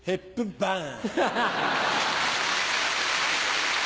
バーン！